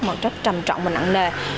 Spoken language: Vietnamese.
một trách trầm trọng và nặng nề